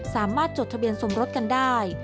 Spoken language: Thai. สามารถจดทะเบียนสมรสกันได้